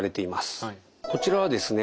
こちらはですね